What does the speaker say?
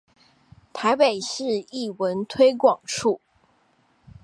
臺北市藝文推廣處